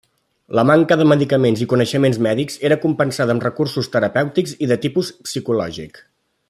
La manca de medicaments i coneixements mèdics era compensada amb recursos terapèutics de tipus psicològic.